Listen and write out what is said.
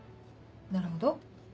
なるほど。